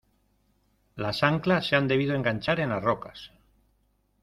las anclas se han debido enganchar en las rocas.